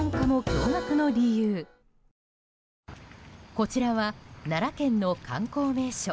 こちらは奈良県の観光名所